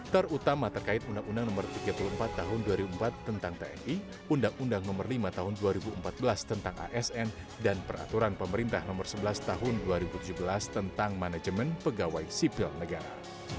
terutama terkait undang undang no tiga puluh empat tahun dua ribu empat tentang tni undang undang nomor lima tahun dua ribu empat belas tentang asn dan peraturan pemerintah nomor sebelas tahun dua ribu tujuh belas tentang manajemen pegawai sipil negara